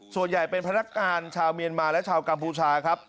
ส่วนใหญ่เป็นพนักงานชาวเมียนมาและชาวกัมพูชาครับ